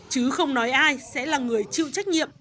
chứ không nói ai sẽ là người chịu trách nhiệm